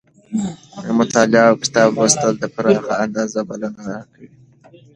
مطالعه اوکتاب لوستل د پراخې اندازې بلنه راکوي.